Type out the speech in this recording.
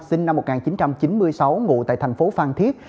sinh năm một nghìn chín trăm chín mươi sáu ngụ tại tp phan thiết